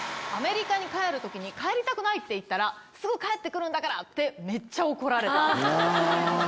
アメリカに帰るときに、帰りたくないって言ったら、すぐ帰ってくるんだから！ってめっちゃ怒られた。